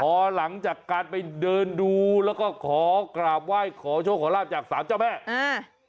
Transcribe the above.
พอหลังจากการไปเดินดูแล้วก็ขอกราบไหว้ขอโชคขอลาบจากสามเจ้าแม่อ่า